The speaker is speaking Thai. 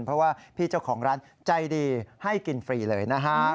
เพราะว่าพี่เจ้าของร้านใจดีให้กินฟรีเลยนะฮะ